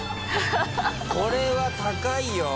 これは高いよ。